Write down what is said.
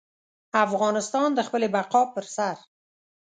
افغانستان د خپلې بقا پر سر.